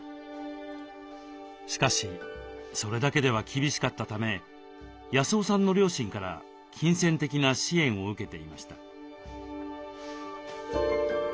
しかしそれだけでは厳しかったため康雄さんの両親から金銭的な支援を受けていました。